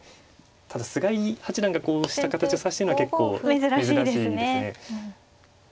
ただ菅井八段がこうした形を指してるのは結構珍しいですね。